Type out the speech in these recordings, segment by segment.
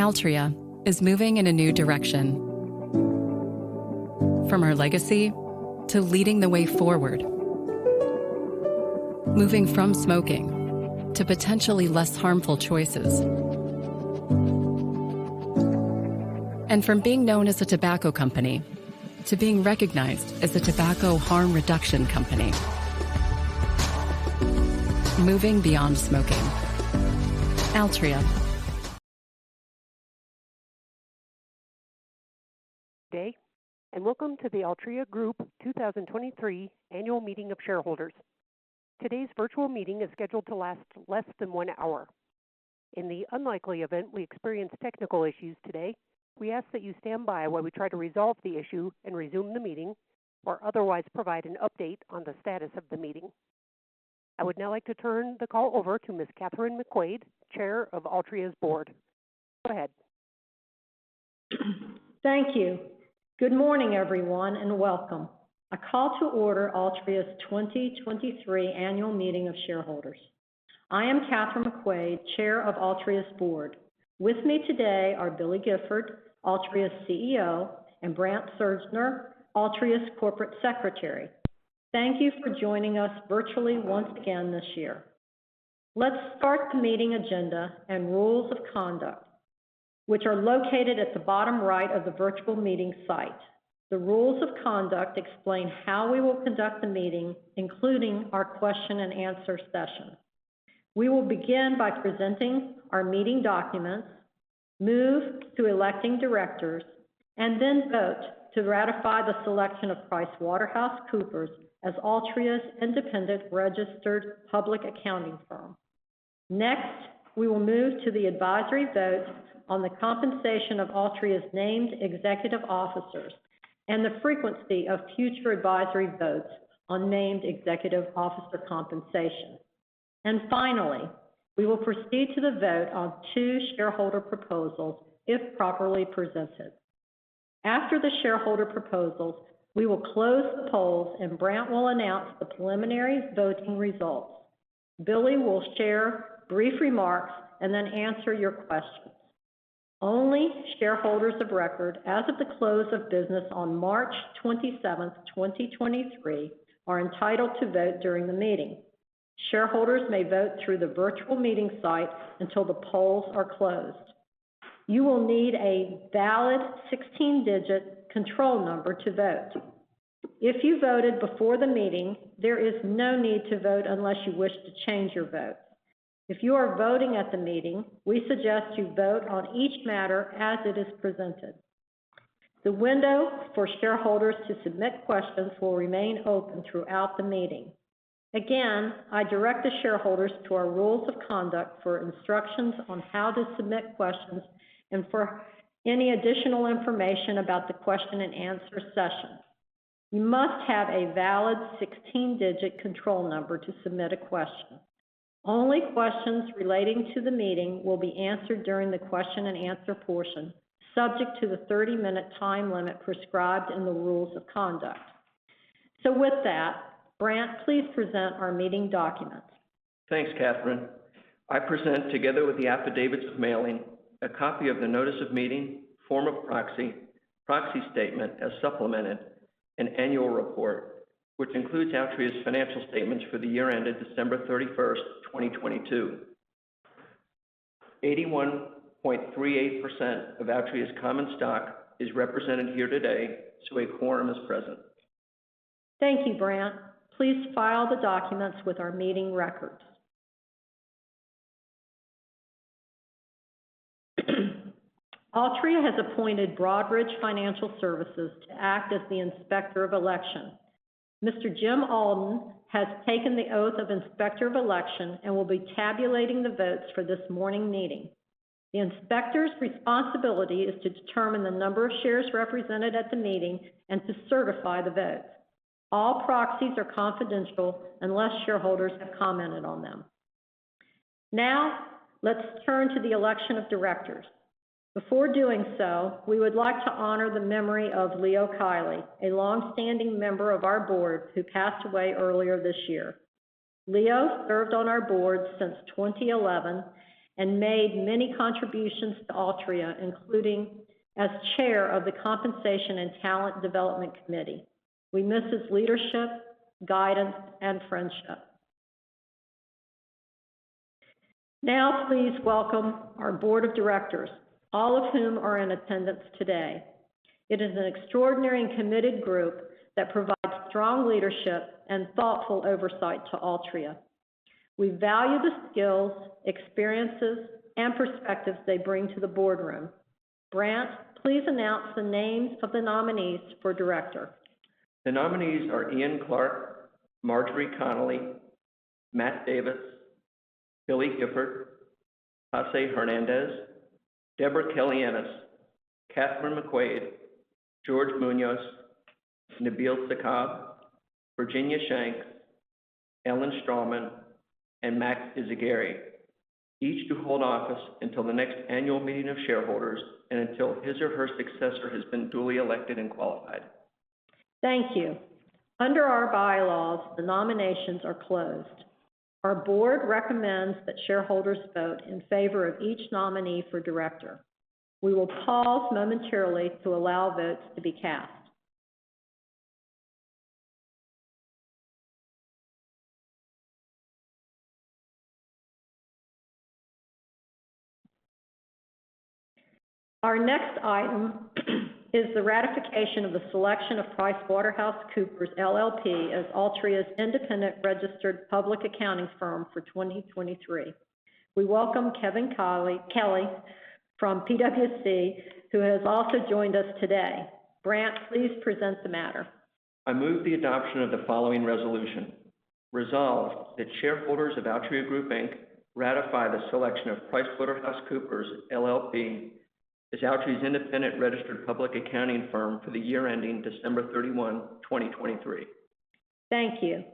Altria is moving in a new direction. From our legacy to leading the way forward. Moving from smoking to potentially less harmful choices. From being known as a tobacco company to being recognized as a tobacco harm reduction company. Moving beyond smoking. Altria. Good day, welcome to the Altria Group 2023 Annual Meeting of Shareholders. Today's virtual meeting is scheduled to last less than one hour. In the unlikely event we experience technical issues today, we ask that you stand by while we try to resolve the issue and resume the meeting or otherwise provide an update on the status of the meeting. I would now like to turn the call over to Ms. Kathryn McQuade, Chair of Altria's Board. Go ahead. Thank you. Good morning, everyone, and welcome. I call to order Altria's 2023 Annual Meeting of Shareholders. I am Kathryn McQuade, Chair of Altria's Board. With me today are Billy Gifford, Altria's CEO, and Brandt Surgner, Altria's Corporate Secretary. Thank you for joining us virtually once again this year. Let's start the meeting agenda and rules of conduct, which are located at the bottom right of the virtual meeting site. The rules of conduct explain how we will conduct the meeting, including our question and answer session. We will begin by presenting our meeting documents, move to electing directors, and then vote to ratify the selection of PricewaterhouseCoopers as Altria's independent registered public accounting firm. Next, we will move to the advisory vote on the compensation of Altria's named executive officers and the frequency of future advisory votes on named executive officer compensation. Finally, we will proceed to the vote on two shareholder proposals if properly presented. After the shareholder proposals, we will close the polls and Brandt will announce the preliminary voting results. Billy will share brief remarks and then answer your questions. Only shareholders of record as of the close of business on March 27th, 2023 are entitled to vote during the meeting. Shareholders may vote through the virtual meeting site until the polls are closed. You will need a valid 16-digit control number to vote. If you voted before the meeting, there is no need to vote unless you wish to change your vote. If you are voting at the meeting, we suggest you vote on each matter as it is presented. The window for shareholders to submit questions will remain open throughout the meeting. Again, I direct the shareholders to our rules of conduct for instructions on how to submit questions and for any additional information about the question and answer session. You must have a valid 16-digit control number to submit a question. Only questions relating to the meeting will be answered during the question and answer portion, subject to the 30-minute time limit prescribed in the rules of conduct. With that, Brandt, please present our meeting documents. Thanks, Kathryn. I present, together with the affidavits of mailing, a copy of the notice of meeting, form of proxy statement as supplemented, and annual report, which includes Altria's financial statements for the year ended December 31st, 2022. 81.38% of Altria's common stock is represented here today. A quorum is present. Thank you, Brandt. Please file the documents with our meeting records. Altria has appointed Broadridge Financial Solutions to act as the Inspector of Election. Mr. Jim Alden has taken the oath of Inspector of Election and will be tabulating the votes for this morning meeting. The Inspector's responsibility is to determine the number of shares represented at the meeting and to certify the votes. All proxies are confidential unless shareholders have commented on them. Let's turn to the election of directors. Before doing so, we would like to honor the memory of Leo Kiely, a long-standing member of our board who passed away earlier this year. Leo served on our board since 2011 and made many contributions to Altria, including as Chair of the Compensation and Talent Development Committee. We miss his leadership, guidance, and friendship. Please welcome our board of directors, all of whom are in attendance today. It is an extraordinary and committed group that provides strong leadership and thoughtful oversight to Altria. We value the skills, experiences, and perspectives they bring to the boardroom. Brandt, please announce the names of the nominees for director. The nominees are Ian L.T. Clarke, Marjorie M. Connelly, R. Matt Davis, Billy Gifford, Jacinto Hernandez, Debra J. Kelly-Ennis, Kathryn B. McQuade, George Muñoz, Nabil Y. Sakkab, Virginia E. Shanks, Ellen R. Strahlman, and M. Max Yzaguirre. Each to hold office until the next annual meeting of shareholders and until his or her successor has been duly elected and qualified. Thank you. Under our bylaws, the nominations are closed. Our board recommends that shareholders vote in favor of each nominee for director. We will pause momentarily to allow votes to be cast. Our next item is the ratification of the selection of PricewaterhouseCoopers LLP as Altria's independent registered public accounting firm for 2023. We welcome Kevin Kelly from PwC, who has also joined us today. Brandt, please present the matter. I move the adoption of the following resolution: Resolved, that shareholders of Altria Group, Inc. ratify the selection of PricewaterhouseCoopers LLP as Altria's independent registered public accounting firm for the year ending December 31, 2023. Thank you.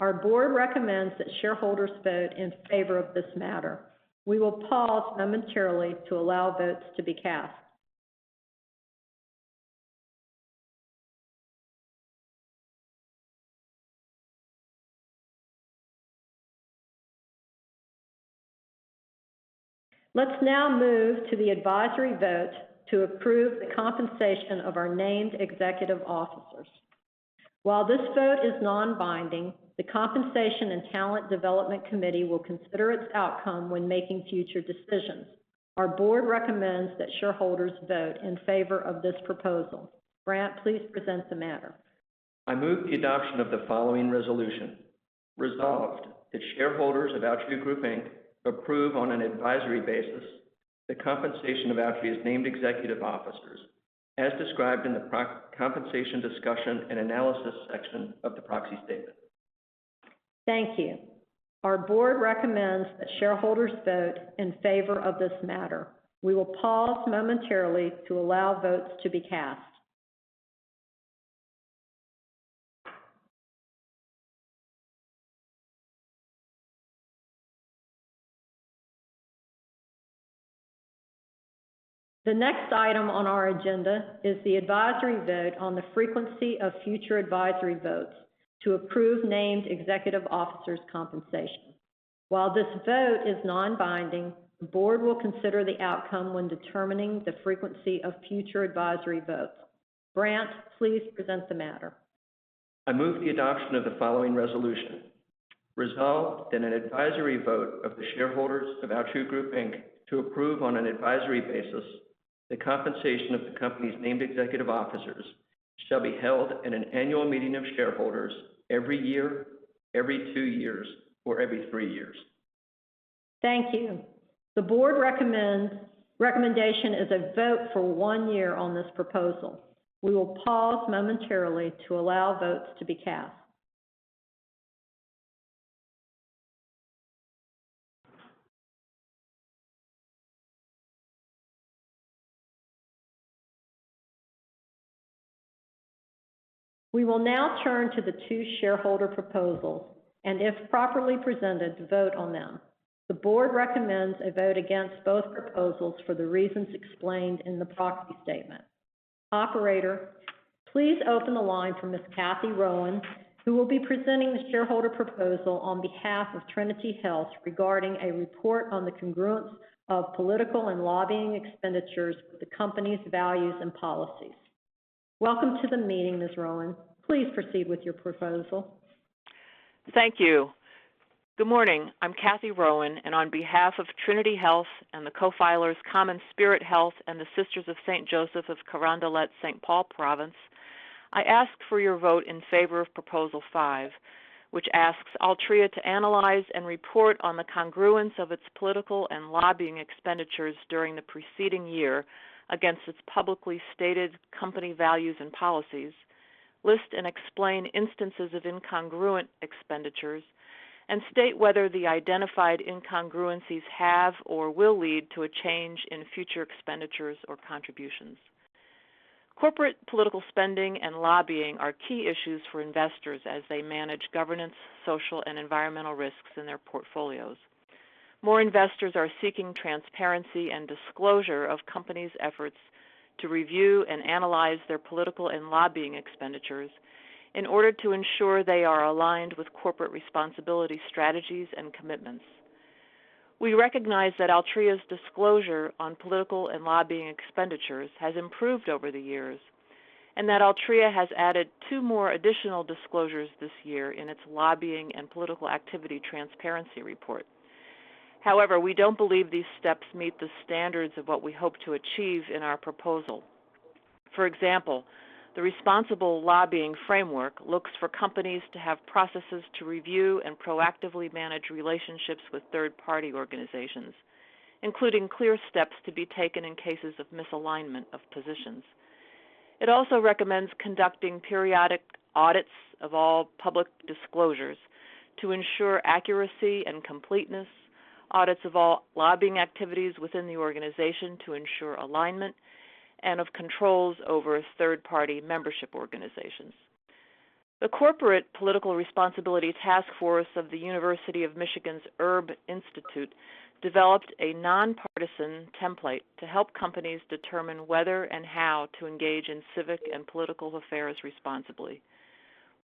Our board recommends that shareholders vote in favor of this matter. We will pause momentarily to allow votes to be cast. Let's now move to the advisory vote to approve the compensation of our named executive officers. While this vote is non-binding, the Compensation and Talent Development Committee will consider its outcome when making future decisions. Our board recommends that shareholders vote in favor of this proposal. Brandt, please present the matter. I move the adoption of the following resolution: Resolved, that shareholders of Altria Group, Inc. approve on an advisory basis the compensation of Altria's named executive officers as described in the compensation discussion and analysis section of the proxy statement. Thank you. Our Board recommends that shareholders vote in favor of this matter. We will pause momentarily to allow votes to be cast. The next item on our agenda is the advisory vote on the frequency of future advisory votes to approve Named Executive Officers' compensation. While this vote is non-binding, the Board will consider the outcome when determining the frequency of future advisory votes. Brandt, please present the matter. I move the adoption of the following resolution: Resolved, that an advisory vote of the shareholders of Altria Group, Inc. to approve on an advisory basis the compensation of the company's named executive officers shall be held at an annual meeting of shareholders every year, every two years, or every three years. Thank you. The board recommendation is a vote for one year on this proposal. We will pause momentarily to allow votes to be cast. We will now turn to the two shareholder proposals and, if properly presented, vote on them. The board recommends a vote against both proposals for the reasons explained in the proxy statement. Operator, please open the line for Ms. Cathy Rowan, who will be presenting the shareholder proposal on behalf of Trinity Health regarding a report on the congruence of political and lobbying expenditures with the company's values and policies. Welcome to the meeting, Ms. Rowan. Please proceed with your proposal. Thank you. Good morning. I'm Cathy Rowan, and on behalf of Trinity Health and the co-filers CommonSpirit Health and the Sisters of St. Joseph of Carondelet, St. Paul Province, I ask for your vote in favor of Proposal five, which asks Altria to analyze and report on the congruence of its political and lobbying expenditures during the preceding year against its publicly stated company values and policies, list and explain instances of incongruent expenditures, and state whether the identified incongruencies have or will lead to a change in future expenditures or contributions. Corporate political spending and lobbying are key issues for investors as they manage governance, social, and environmental risks in their portfolios. More investors are seeking transparency and disclosure of companies' efforts to review and analyze their political and lobbying expenditures in order to ensure they are aligned with corporate responsibility strategies and commitments. We recognize that Altria's disclosure on political and lobbying expenditures has improved over the years and that Altria has added two more additional disclosures this year in its lobbying and political activity transparency report. We don't believe these steps meet the standards of what we hope to achieve in our proposal. The Responsible Lobbying Framework looks for companies to have processes to review and proactively manage relationships with third-party organizations, including clear steps to be taken in cases of misalignment of positions. It also recommends conducting periodic audits of all public disclosures to ensure accuracy and completeness, audits of all lobbying activities within the organization to ensure alignment and of controls over third-party membership organizations. The Corporate Political Responsibility Taskforce of the University of Michigan's Erb Institute developed a nonpartisan template to help companies determine whether and how to engage in civic and political affairs responsibly.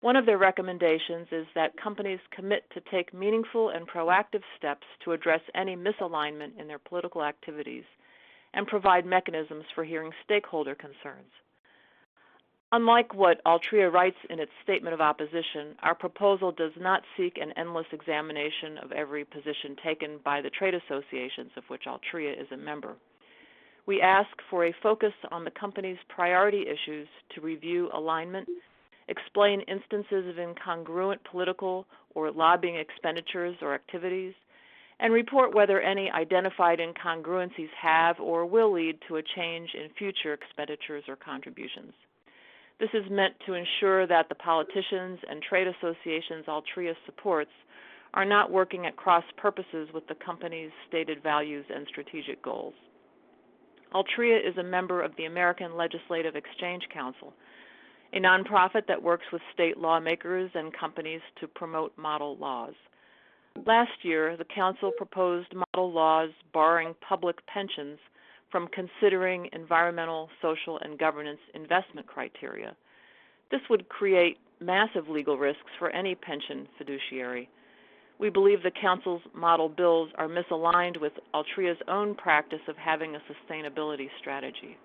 One of their recommendations is that companies commit to take meaningful and proactive steps to address any misalignment in their political activities and provide mechanisms for hearing stakeholder concerns. Unlike what Altria writes in its statement of opposition, our proposal does not seek an endless examination of every position taken by the trade associations of which Altria is a member. We ask for a focus on the company's priority issues to review alignment, explain instances of incongruent political or lobbying expenditures or activities, and report whether any identified incongruencies have or will lead to a change in future expenditures or contributions. This is meant to ensure that the politicians and trade associations Altria supports are not working at cross-purposes with the company's stated values and strategic goals. Altria is a member of the American Legislative Exchange Council, a nonprofit that works with state lawmakers and companies to promote model laws. Last year, the council proposed model laws barring public pensions from considering environmental, social, and governance investment criteria. This would create massive legal risks for any pension fiduciary. We believe the council's model bills are misaligned with Altria's own practice of having a sustainability strategy.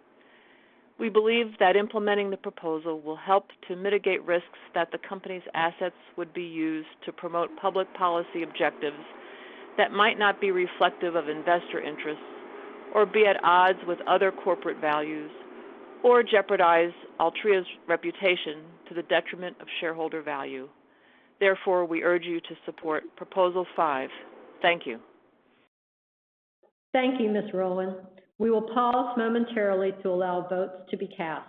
We believe that implementing the proposal will help to mitigate risks that the company's assets would be used to promote public policy objectives that might not be reflective of investor interests or be at odds with other corporate values or jeopardize Altria's reputation to the detriment of shareholder value. Therefore, we urge you to support proposal five. Thank you. Thank you, Ms. Rowan. We will pause momentarily to allow votes to be cast.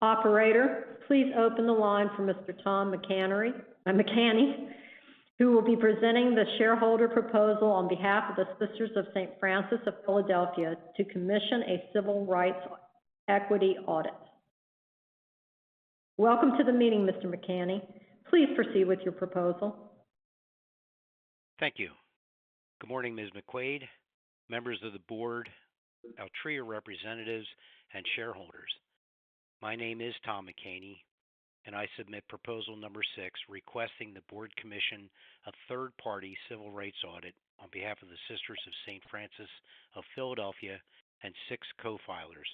Operator, please open the line for Mr. Tom McHaney, who will be presenting the shareholder proposal on behalf of the Sisters of St. Francis of Philadelphia to commission a civil rights equity audit. Welcome to the meeting, Mr. McHaney. Please proceed with your proposal. Thank you. Good morning, Ms. McQuade, members of the board, Altria representatives, and shareholders. My name is Tom McHaney, and I submit proposal number six requesting the board commission a third-party civil rights audit on behalf of the Sisters of St. Francis of Philadelphia and six co-filers,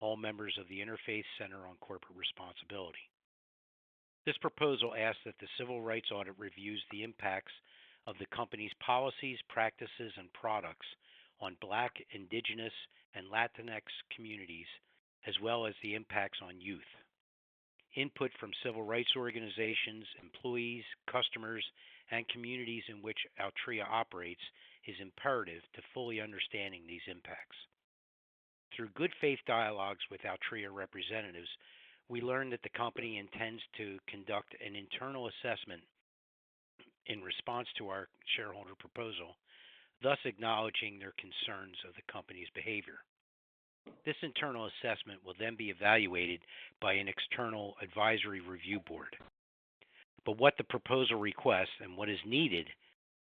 all members of the Interfaith Center on Corporate Responsibility. This proposal asks that the civil rights audit reviews the impacts of the company's policies, practices, and products on Black, Indigenous, and Latinx communities, as well as the impacts on youth. Input from civil rights organizations, employees, customers, and communities in which Altria operates is imperative to fully understanding these impacts. Through good faith dialogues with Altria representatives, we learned that the company intends to conduct an internal assessment in response to our shareholder proposal, thus acknowledging their concerns of the company's behavior. What the proposal requests and what is needed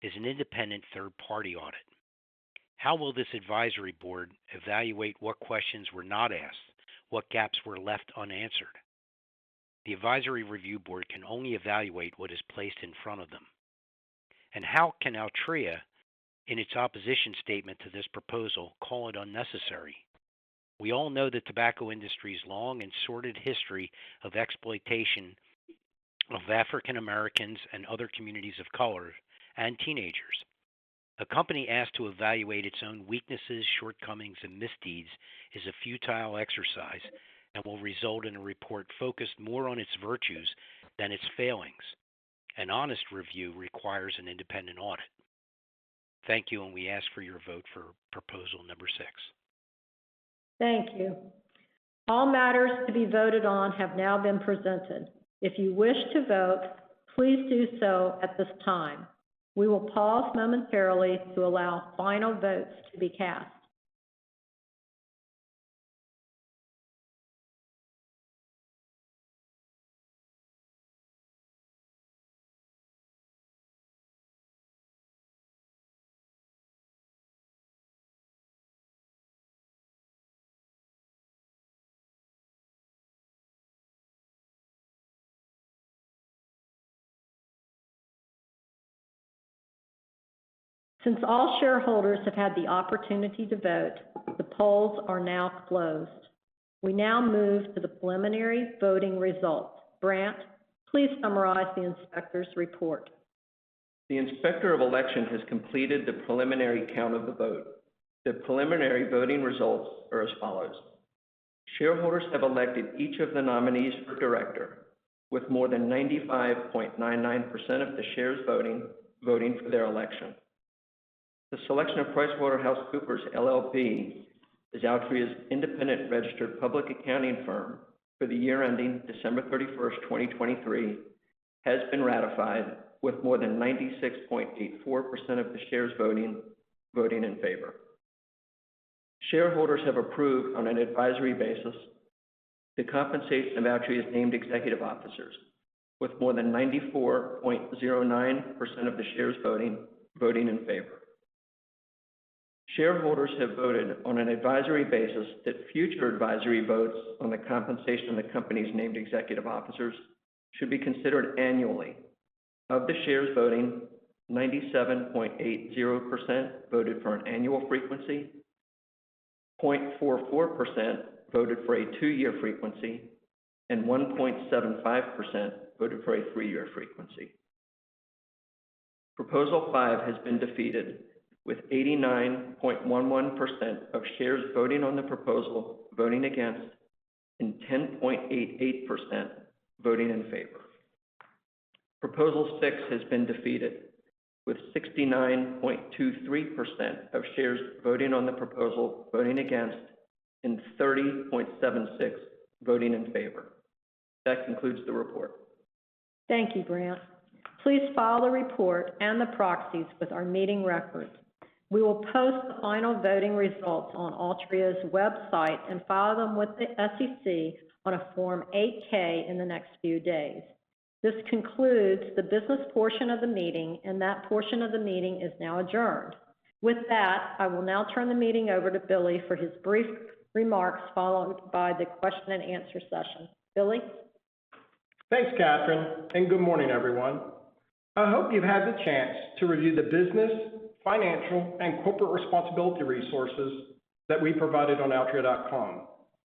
is an independent third-party audit. How will this advisory board evaluate what questions were not asked, what gaps were left unanswered? The advisory review board can only evaluate what is placed in front of them. How can Altria, in its opposition statement to this proposal, call it unnecessary? We all know the tobacco industry's long and sordid history of exploitation of African Americans and other communities of color and teenagers. A company asked to evaluate its own weaknesses, shortcomings, and misdeeds is a futile exercise and will result in a report focused more on its virtues than its failings. An honest review requires an independent audit. Thank you, and we ask for your vote for proposal number six. Thank you. All matters to be voted on have now been presented. If you wish to vote, please do so at this time. We will pause momentarily to allow final votes to be cast. Since all shareholders have had the opportunity to vote, the polls are now closed. We now move to the preliminary voting results. Brandt, please summarize the inspector's report. The Inspector of Election has completed the preliminary count of the vote. The preliminary voting results are as follows. Shareholders have elected each of the nominees for director, with more than 95.99% of the shares voting for their election The selection of PricewaterhouseCoopers LLP as Altria's independent registered public accounting firm for the year ending December 31st, 2023, has been ratified with more than 96.84% of the shares voting in favor. Shareholders have approved on an advisory basis the compensation of Altria's named executive officers with more than 94.09% of the shares voting in favor. Shareholders have voted on an advisory basis that future advisory votes on the compensation of the company's named executive officers should be considered annually. Of the shares voting, 97.80% voted for an annual frequency, 0.44% voted for a two-year frequency, and 1.75% voted for a three-year frequency. Proposal five has been defeated with 89.11% of shares voting on the proposal voting against and 10.88% voting in favor. Proposal six has been defeated with 69.23% of shares voting on the proposal voting against and 30.76 voting in favor. That concludes the report. Thank you, Brandt. Please file the report and the proxies with our meeting records. We will post the final voting results on Altria's website and file them with the SEC on a Form 8-K in the next few days. This concludes the business portion of the meeting. That portion of the meeting is now adjourned. With that, I will now turn the meeting over to Billy for his brief remarks, followed by the question and answer session. Billy? Thanks, Kathryn, and good morning, everyone. I hope you've had the chance to review the business, financial, and corporate responsibility resources that we provided on altria.com,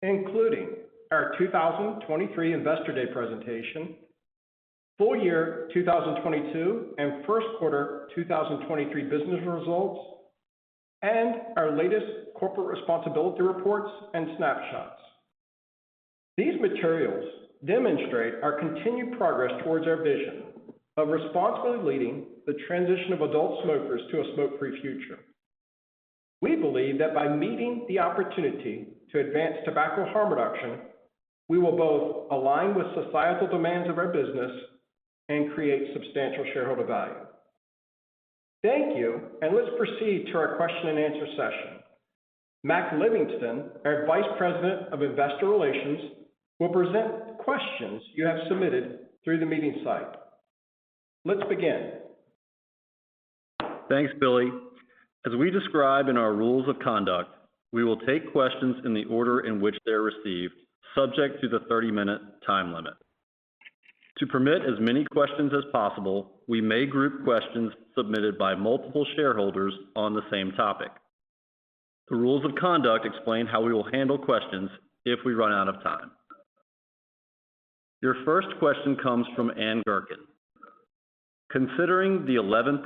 including our 2023 Investor Day presentation, full year 2022 and first quarter 2023 business results, and our latest corporate responsibility reports and snapshots. These materials demonstrate our continued progress towards our vision of responsibly leading the transition of adult smokers to a smoke-free future. We believe that by meeting the opportunity to advance tobacco harm reduction, we will both align with societal demands of our business and create substantial shareholder value. Thank you, and let's proceed to our question and answer session. Mac Livingston, our Vice President of Investor Relations, will present questions you have submitted through the meeting site. Let's begin. Thanks, Billy. As we describe in our rules of conduct, we will take questions in the order in which they are received, subject to the 30-minute time limit. To permit as many questions as possible, we may group questions submitted by multiple shareholders on the same topic. The rules of conduct explain how we will handle questions if we run out of time. Your first question comes from Anne Gherkin. Considering the 11%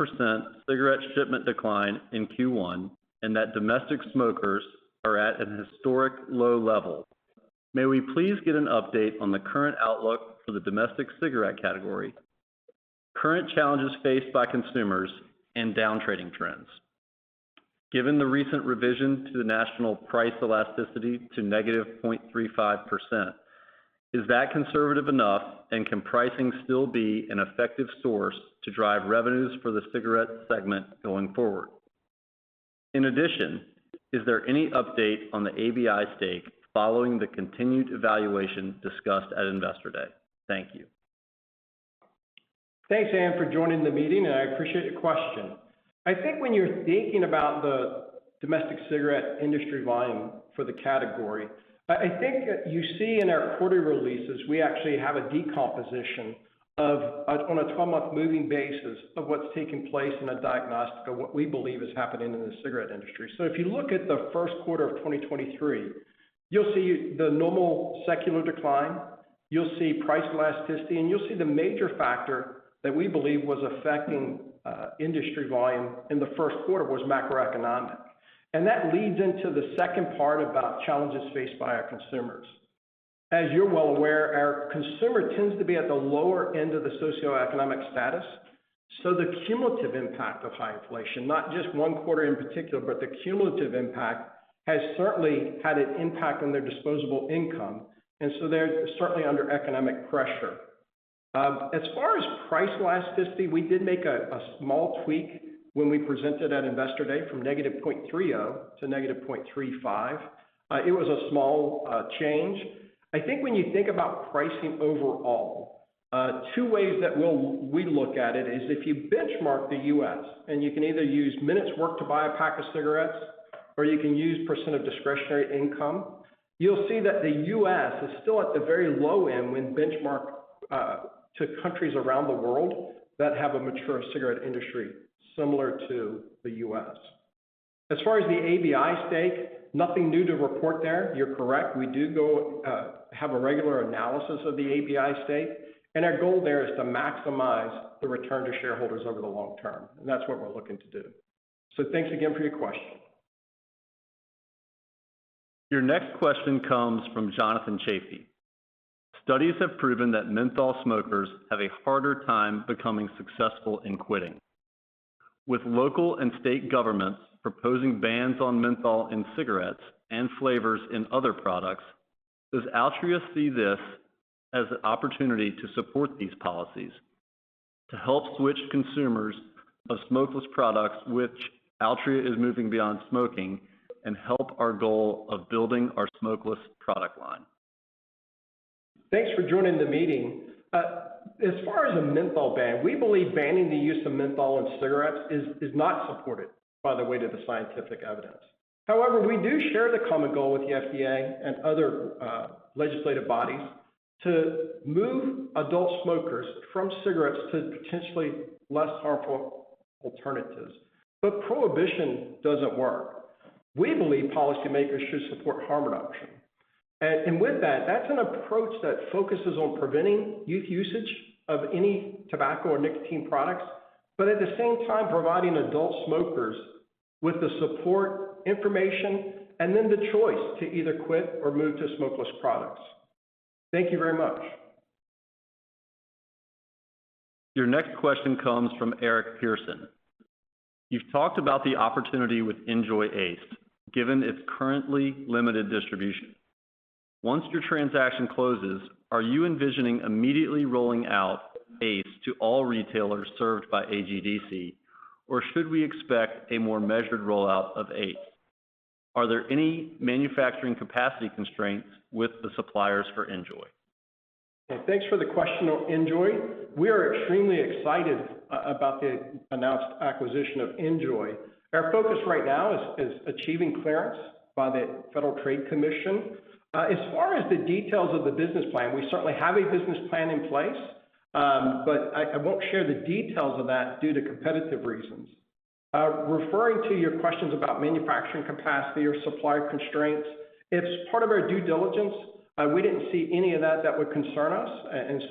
cigarette shipment decline in Q1 and that domestic smokers are at an historic low level, may we please get an update on the current outlook for the domestic cigarette category, current challenges faced by consumers, and down trading trends? Given the recent revision to the national price elasticity to -0.35%, is that conservative enough? Can pricing still be an effective source to drive revenues for the cigarette segment going forward? Is there any update on the ABI stake following the continued evaluation discussed at Investor Day? Thank you. Thanks, Anne, for joining the meeting. I appreciate the question. I think when you're thinking about the domestic cigarette industry volume for the category, I think that you see in our quarterly releases, we actually have a decomposition on a 12-month moving basis of what's taking place and a diagnostic of what we believe is happening in the cigarette industry. If you look at the first quarter of 2023, you'll see the normal secular decline, you'll see price elasticity, and you'll see the major factor that we believe was affecting industry volume in the first quarter was macroeconomic. That leads into the second part about challenges faced by our consumers. As you're well aware, our consumer tends to be at the lower end of the socioeconomic status. The cumulative impact of high inflation, not just one quarter in particular, but the cumulative impact has certainly had an impact on their disposable income, and so they're certainly under economic pressure. As far as price elasticity, we did make a small tweak when we presented at Investor Day from -0.30 to -0.35. It was a small change. I think when you think about pricing overall, two ways that we look at it is if you benchmark the US, and you can either use minutes worked to buy a pack of cigarettes or you can use percent of discretionary income, you'll see that the US is still at the very low end when benchmark to countries around the world that have a mature cigarette industry similar to the US. As far as the ABI stake, nothing new to report there. You're correct. We do have a regular analysis of the ABI stake. Our goal there is to maximize the return to shareholders over the long term. That's what we're looking to do. Thanks again for your question. Your next question comes from Jonathan Chaffee. Studies have proven that menthol smokers have a harder time becoming successful in quitting. With local and state governments proposing bans on menthol in cigarettes and flavors in other products, does Altria see this as an opportunity to support these policies, to help switch consumers of smokeless products which Altria is moving beyond smoking and help our goal of building our smokeless product line? Thanks for joining the meeting. As far as a menthol ban, we believe banning the use of menthol in cigarettes is not supported by the weight of the scientific evidence. However, we do share the common goal with the FDA and other legislative bodies to move adult smokers from cigarettes to potentially less harmful alternatives. Prohibition doesn't work. We believe policymakers should support harm reduction. With that's an approach that focuses on preventing youth usage of any tobacco or nicotine products. At the same time providing adult smokers with the support, information, and then the choice to either quit or move to smokeless products. Thank you very much. Your next question comes from Eric Pearson. You've talked about the opportunity with NJOY ACE, given its currently limited distribution. Once your transaction closes, are you envisioning immediately rolling out ACE to all retailers served by AGDC? Should we expect a more measured rollout of ACE? Are there any manufacturing capacity constraints with the suppliers for NJOY? Thanks for the question on NJOY. We are extremely excited about the announced acquisition of NJOY. Our focus right now is achieving clearance by the Federal Trade Commission. As far as the details of the business plan, we certainly have a business plan in place. I won't share the details of that due to competitive reasons. Referring to your questions about manufacturing capacity or supply constraints, it's part of our due diligence. We didn't see any of that that would concern us.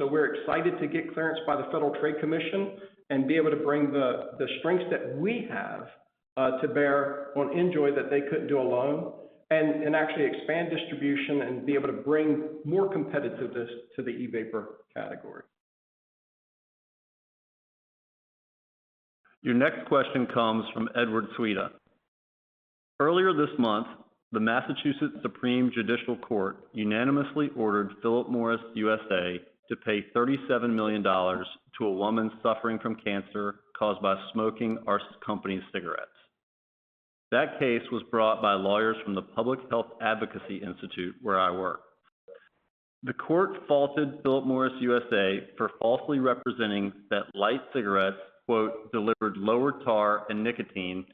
We're excited to get clearance by the Federal Trade Commission and be able to bring the strengths that we have to bear on NJOY that they couldn't do alone, and actually expand distribution and be able to bring more competitiveness to the e-vapor category. Your next question comes from Edward Sweda. Earlier this month, the Massachusetts Supreme Judicial Court unanimously ordered Philip Morris USA to pay $37 million to a woman suffering from cancer caused by smoking our company's cigarettes. That case was brought by lawyers from the Public Health Advocacy Institute, where I work. The court faulted Philip Morris USA for falsely representing that light cigarettes, quote, "delivered lower tar and nicotine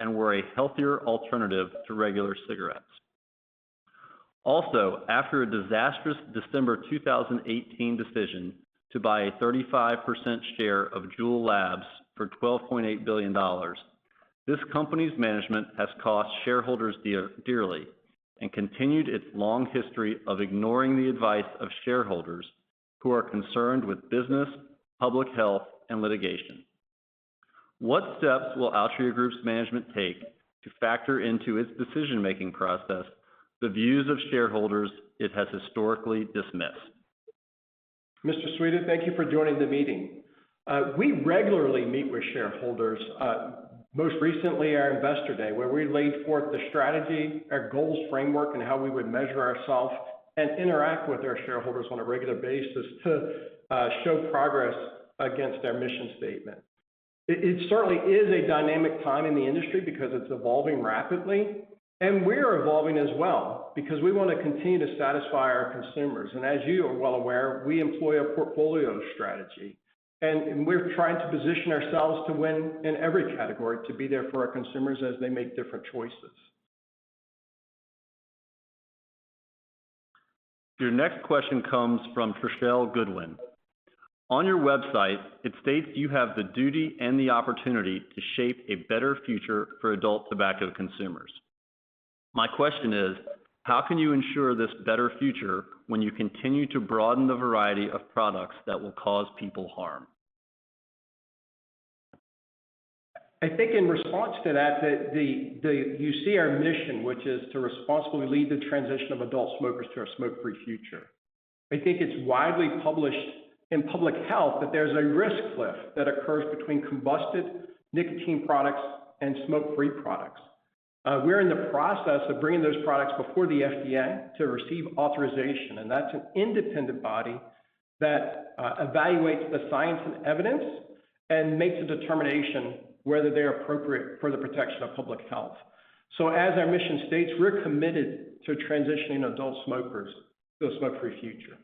and were a healthier alternative to regular cigarettes." After a disastrous December 2018 decision to buy a 35% share of Juul Labs for $12.8 billion, this company's management has cost shareholders dearly and continued its long history of ignoring the advice of shareholders who are concerned with business, public health, and litigation. What steps will Altria Group's management take to factor into its decision-making process the views of shareholders it has historically dismissed? Mr. Sweda, thank you for joining the meeting. We regularly meet with shareholders, most recently our Investor Day, where we laid forth the strategy, our goals framework, and how we would measure ourselves and interact with our shareholders on a regular basis to show progress against our mission statement. It certainly is a dynamic time in the industry because it's evolving rapidly, and we're evolving as well because we wanna continue to satisfy our consumers. As you are well aware, we employ a portfolio strategy, and we're trying to position ourselves to win in every category to be there for our consumers as they make different choices. Your next question comes from Trishelle Goodwin. On your website, it states you have the duty and the opportunity to shape a better future for adult tobacco consumers. My question is, how can you ensure this better future when you continue to broaden the variety of products that will cause people harm? I think in response to that, you see our mission, which is to responsibly lead the transition of adult smokers to a smoke-free future. I think it's widely published in public health that there's a risk cliff that occurs between combusted nicotine products and smoke-free products. We're in the process of bringing those products before the FDA to receive authorization, and that's an independent body that evaluates the science and evidence and makes a determination whether they're appropriate for the protection of public health. As our mission states, we're committed to transitioning adult smokers to a smoke-free future.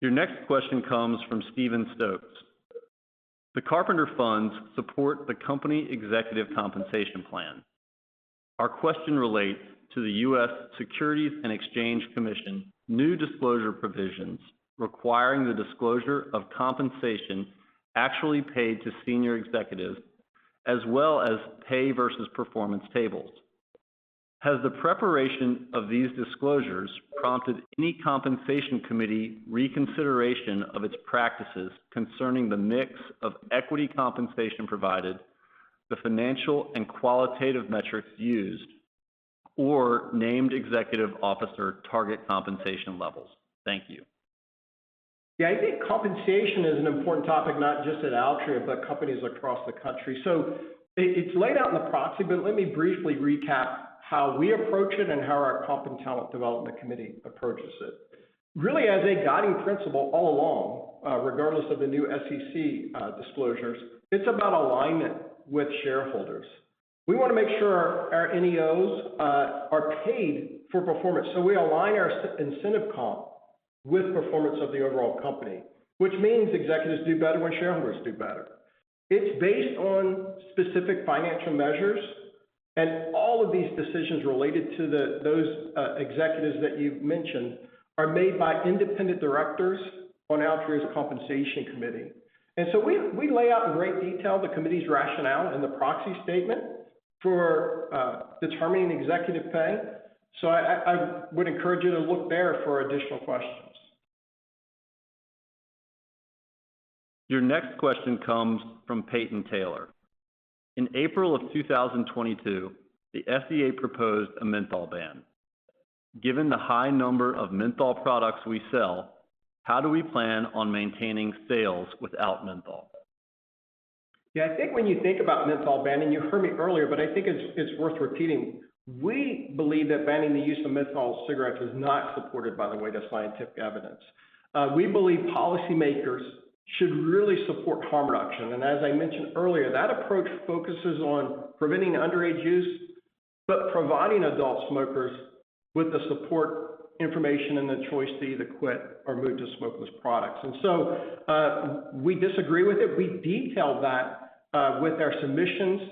Your next question comes from Steven Stokes. The Carpenter Funds support the company executive compensation plan. Our question relates to the US Securities and Exchange Commission new disclosure provisions requiring the disclosure of compensation actually paid to senior executives, as well as pay versus performance tables. Has the preparation of these disclosures prompted any Compensation Committee reconsideration of its practices concerning the mix of equity compensation provided, the financial and qualitative metrics used, or Named Executive Officer target compensation levels? Thank you. Yeah, I think compensation is an important topic, not just at Altria, but companies across the country. It's laid out in the proxy, but let me briefly recap how we approach it and how our Comp and Talent Development Committee approaches it. Really, as a guiding principle all along, regardless of the new SEC disclosures, it's about alignment with shareholders. We wanna make sure our NEOs are paid for performance, so we align our incentive comp with performance of the overall company, which means executives do better when shareholders do better. It's based on specific financial measures, and all of these decisions related to those executives that you've mentioned are made by independent directors on Altria's Compensation Committee. We lay out in great detail the committee's rationale in the proxy statement for determining executive pay. I would encourage you to look there for additional questions. Your next question comes from Peyton Taylor. In April of 2022, the FDA proposed a menthol ban. Given the high number of menthol products we sell, how do we plan on maintaining sales without menthol? I think when you think about menthol banning, you heard me earlier, but I think it's worth repeating. We believe that banning the use of menthol cigarettes is not supported, by the way, to scientific evidence. We believe policymakers should really support harm reduction, as I mentioned earlier, that approach focuses on preventing underage use, but providing adult smokers with the support information and the choice to either quit or move to smokeless products. We disagree with it. We detailed that with our submissions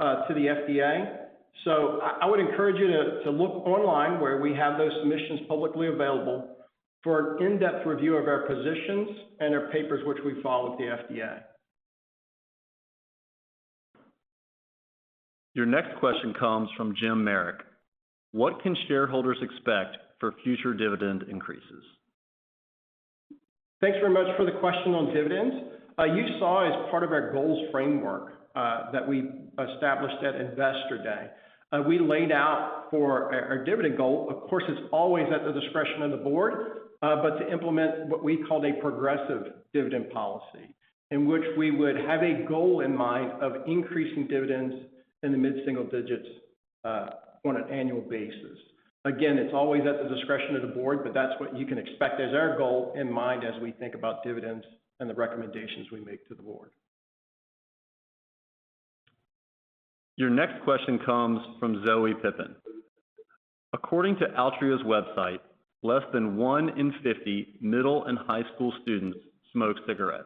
to the FDA. I would encourage you to look online where we have those submissions publicly available for an in-depth review of our positions and our papers which we file with the FDA. Your next question comes from Jim Merrick. What can shareholders expect for future dividend increases? Thanks very much for the question on dividends. You saw as part of our goals framework that we established at Investor Day, we laid out for our dividend goal. Of course, it's always at the discretion of the board, but to implement what we called a progressive dividend policy, in which we would have a goal in mind of increasing dividends in the mid-single digits on an annual basis. Again, it's always at the discretion of the board, but that's what you can expect as our goal in mind as we think about dividends and the recommendations we make to the board. Your next question comes from Zoe Pippin. According to Altria's website, less than 1 in 50 middle and high school students smoke cigarettes.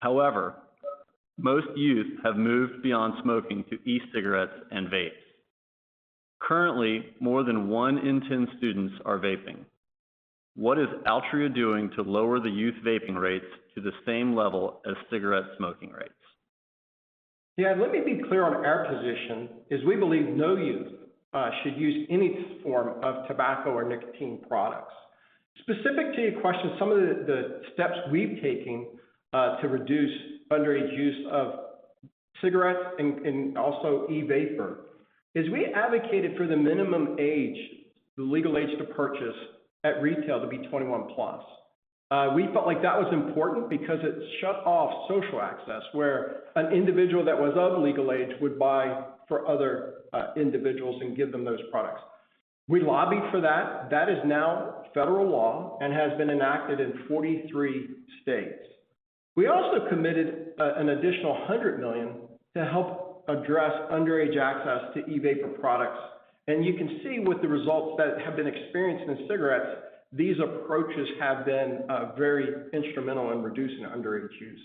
However, most youth have moved beyond smoking to e-cigarettes and vapes. Currently, more than 1 in 10 students are vaping. What is Altria doing to lower the youth vaping rates to the same level as cigarette smoking rates? Yeah, let me be clear on our position is we believe no youth should use any form of tobacco or nicotine products. Specific to your question, some of the steps we've taken to reduce underage use of cigarettes and also e-vapor is we advocated for the minimum age, the legal age to purchase at retail to be 21 plus. We felt like that was important because it shut off social access where an individual that was of legal age would buy for other individuals and give them those products. We lobbied for that. That is now federal law and has been enacted in 43 states. We also committed an additional $100 million to help address underage access to e-vapor products. You can see with the results that have been experienced in cigarettes, these approaches have been very instrumental in reducing underage use.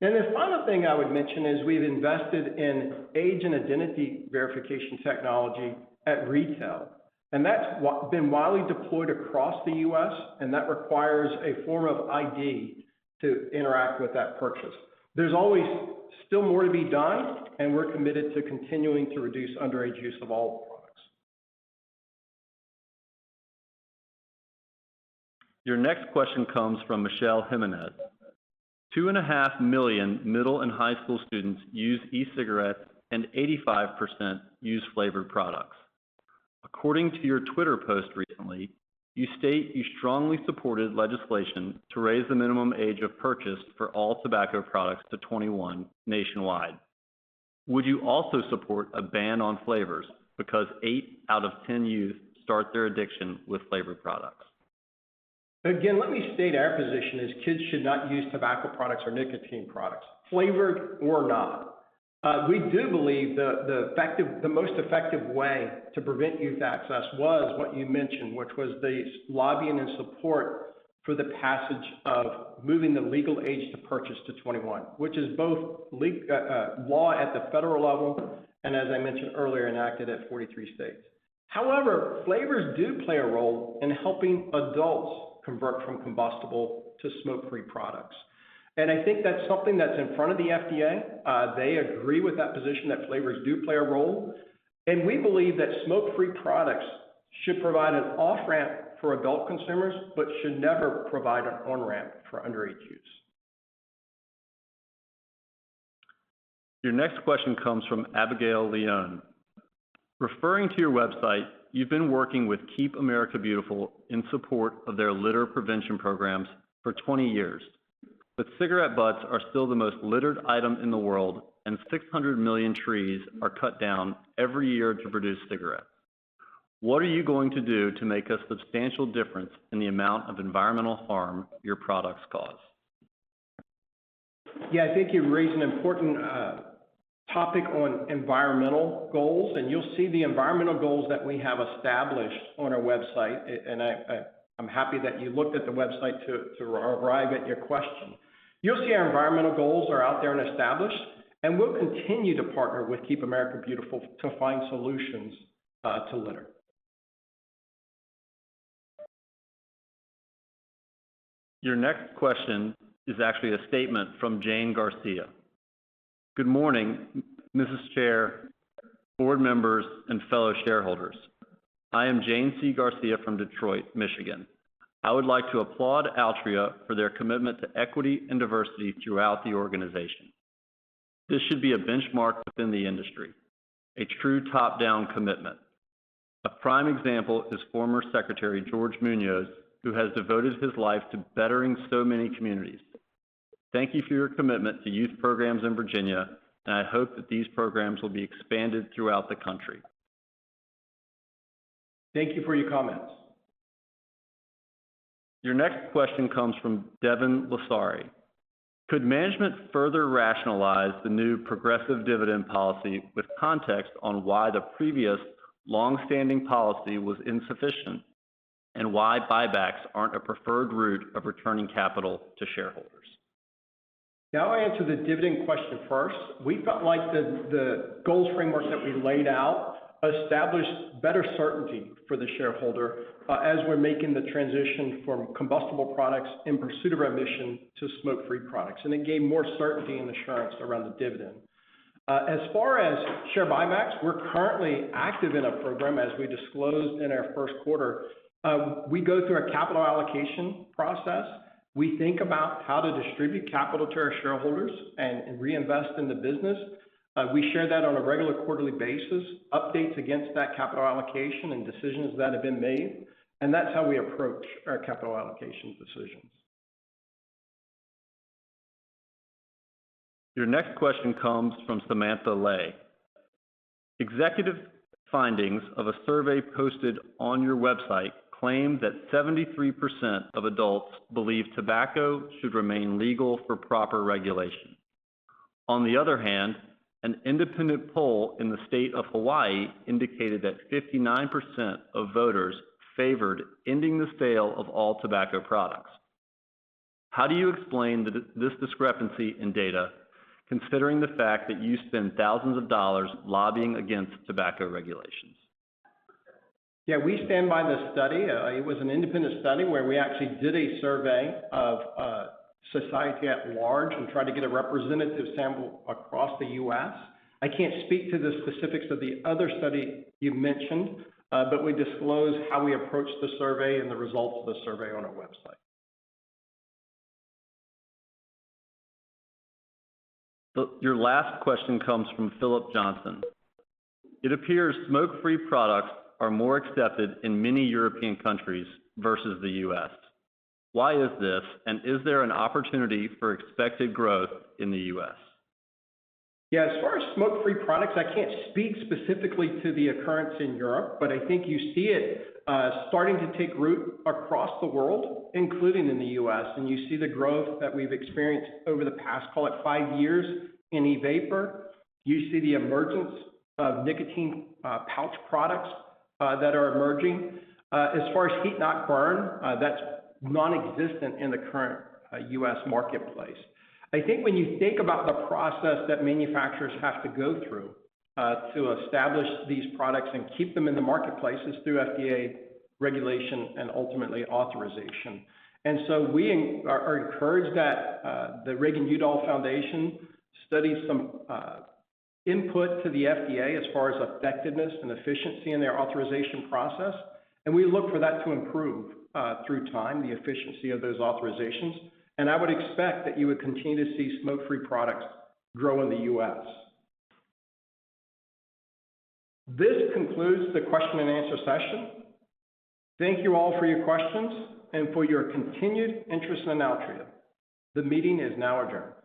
The final thing I would mention is we've invested in age and identity verification technology at retail, and that's been widely deployed across the U.S. and that requires a form of ID to interact with that purchase. There's always still more to be done, and we're committed to continuing to reduce underage use of all products. Your next question comes from Michelle Jimenez. 2.5 million middle and high school students use e-cigarettes and 85% use flavored products. According to your Twitter post recently, you state you strongly supported legislation to raise the minimum age of purchase for all tobacco products to 21 nationwide. Would you also support a ban on flavors because eight out of 10 youth start their addiction with flavored products? Again, let me state our position is kids should not use tobacco products or nicotine products, flavored or not. We do believe the most effective way to prevent youth access was what you mentioned, which was the lobbying and support for the passage of moving the legal age to purchase to 21, which is both law at the federal level and as I mentioned earlier, enacted at 43 states. However, flavors do play a role in helping adults convert from combustible to smoke-free products. I think that's something that's in front of the FDA. They agree with that position that flavors do play a role. We believe that smoke-free products should provide an off-ramp for adult consumers, but should never provide an on-ramp for underage use. Your next question comes from Abigail Leone. Referring to your website, you've been working with Keep America Beautiful in support of their litter prevention programs for 20 years. Cigarette butts are still the most littered item in the world, and 600 million trees are cut down every year to produce cigarettes. What are you going to do to make a substantial difference in the amount of environmental harm your products cause? Yeah. Thank you. You raise an important topic on environmental goals, and you'll see the environmental goals that we have established on our website. I'm happy that you looked at the website to arrive at your question. You'll see our environmental goals are out there and established, and we'll continue to partner with Keep America Beautiful to find solutions to litter. Your next question is actually a statement from Jane Garcia. Good morning, Mrs. Chair, board members, and fellow shareholders. I am Jane C. Garcia from Detroit, Michigan. I would like to applaud Altria for their commitment to equity and diversity throughout the organization. This should be a benchmark within the industry, a true top-down commitment. A prime example is former Secretary George Muñoz, who has devoted his life to bettering so many communities. Thank you for your commitment to youth programs in Virginia. I hope that these programs will be expanded throughout the country. Thank you for your comments. Your next question comes from Devin Lasari. Could management further rationalize the new progressive dividend policy with context on why the previous long-standing policy was insufficient, and why buybacks aren't a preferred route of returning capital to shareholders? Now I'll answer the dividend question first. We felt like the goals framework that we laid out established better certainty for the shareholder, as we're making the transition from combustible products in pursuit of our mission to smoke-free products, and it gave more certainty and assurance around the dividend. As far as share buybacks, we're currently active in a program as we disclosed in our first quarter. We go through a capital allocation process. We think about how to distribute capital to our shareholders and reinvest in the business. We share that on a regular quarterly basis, updates against that capital allocation and decisions that have been made, and that's how we approach our capital allocation decisions. Your next question comes from Samantha Ly. Executive findings of a survey posted on your website claim that 73% of adults believe tobacco should remain legal for proper regulation. On the other hand, an independent poll in the state of Hawaii indicated that 59% of voters favored ending the sale of all tobacco products. How do you explain this discrepancy in data considering the fact that you spend thousands of dollars lobbying against tobacco regulations? Yeah, we stand by the study. It was an independent study where we actually did a survey of society at large and tried to get a representative sample across the U.S. I can't speak to the specifics of the other study you mentioned, but we disclosed how we approached the survey and the results of the survey on our website. Your last question comes from Philip Johnson. It appears smoke-free products are more accepted in many European countries versus the US. Why is this? Is there an opportunity for expected growth in the US? As far as smoke-free products, I can't speak specifically to the occurrence in Europe, but I think you see it starting to take root across the world, including in the US. You see the growth that we've experienced over the past, call it, five years in e-vapor. You see the emergence of nicotine pouch products that are emerging. As far as heat-not-burn, that's nonexistent in the current US marketplace. I think when you think about the process that manufacturers have to go through to establish these products and keep them in the marketplace is through FDA regulation and ultimately authorization. We are encouraged that the Reagan-Udall Foundation studied some input to the FDA as far as effectiveness and efficiency in their authorization process, and we look for that to improve through time, the efficiency of those authorizations. I would expect that you would continue to see smoke-free products grow in the U.S. This concludes the question and answer session. Thank you all for your questions and for your continued interest in Altria. The meeting is now adjourned.